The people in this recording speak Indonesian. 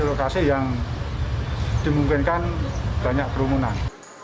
lokasi yang dimungkinkan banyak kerumunan